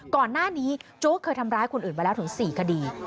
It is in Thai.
ก่อนหน้านี้โจ๊กเคยทำร้ายคนอื่นมาแล้วถึง๔คดี